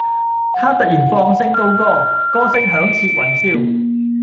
他突然放聲高歌，歌聲響徹雲霄